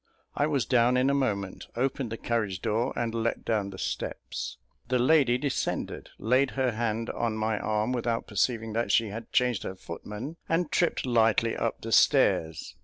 I was down in a moment, opened the carriage door, and let down the steps. The lady descended, laid her hand on my arm without perceiving that she had changed her footman, and tripped lightly up the stairs.